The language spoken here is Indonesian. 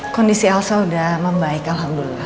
kondisi elsa sudah membaik alhamdulillah